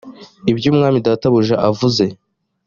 ibyo umwami databuja avuze